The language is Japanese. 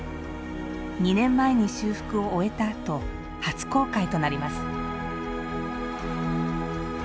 ２年前に修復を終えたあと初公開となります。